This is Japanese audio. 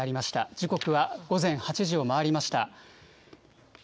時刻は午前８時を回りました。